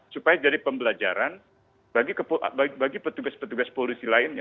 supaya jadi pembelajaran bagi petugas petugas polisi lainnya